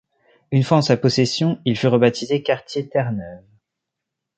Une fois en sa possession, il fut rebaptisé Quartier Terreneuve.